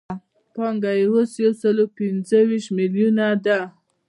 پانګه یې اوس یو سل پنځه ویشت میلیونه ده